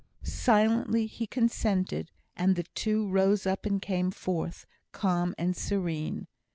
Silently he consented, and the two rose up and came forth, calm and serene.